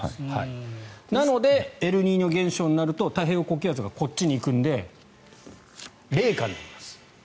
なのでエルニーニョ現象になると太平洋高気圧がこっちに行くので冷夏になります。